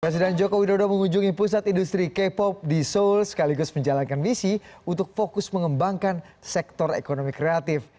presiden joko widodo mengunjungi pusat industri k pop di seoul sekaligus menjalankan misi untuk fokus mengembangkan sektor ekonomi kreatif